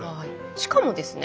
しかもですね